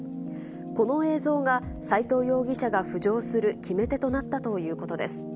この映像が斎藤容疑者が浮上する決め手となったということです。